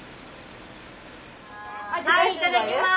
はいいただきます！